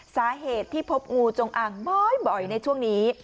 สาเหตุที่พบงูจงอ่างบ่อยในช่วงนี้